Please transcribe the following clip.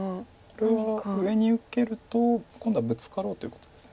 これは上に受けると今度はブツカろうということです。